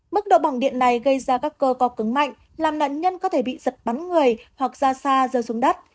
mức độ bỏng điện này gây ra các cơ co cứng mạnh làm nạn nhân có thể bị giật bắn người hoặc ra xa rơi xuống đất